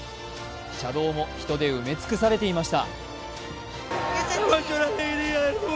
車道も人で埋め尽くされていました。